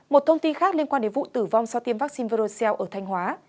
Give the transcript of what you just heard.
một thông tin khác liên quan đến vụ tử vong sau tiêm vắc xin verocell ở thanh hóa